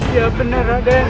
iya benar raden